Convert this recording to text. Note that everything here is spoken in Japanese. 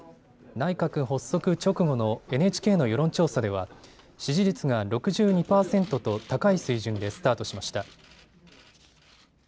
内閣発足直後のＮＨＫの世論調査では支持率が６２％と高い水準でスタートしました。